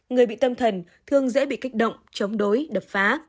người bị tâm thần thường dễ bị kích động chống đối đập phá